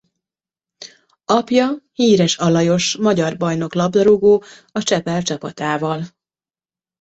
Apja Híres Alajos magyar bajnok labdarúgó a Csepel csapatával.